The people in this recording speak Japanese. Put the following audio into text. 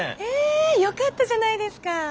えよかったじゃないですか。